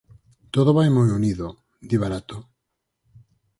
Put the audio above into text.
Todo vai moi unido, di Barato.